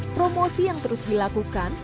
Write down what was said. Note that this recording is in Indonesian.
promosi yang terus dilakukan